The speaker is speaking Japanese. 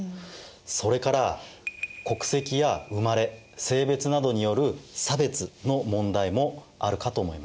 それから国籍や生まれ性別などによる差別の問題もあるかと思います。